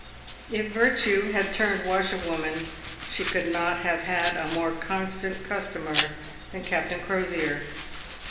If Virtue had turned washerwoman, she could not have had a more constant customer than Captain Crosier.